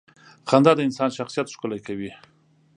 • خندا د انسان شخصیت ښکلې کوي.